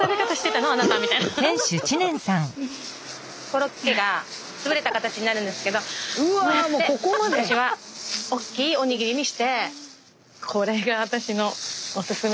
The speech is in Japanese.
コロッケがつぶれた形になるんですけどこうやって私はおっきいおにぎりにして。